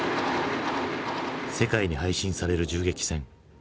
世界に配信される銃撃戦。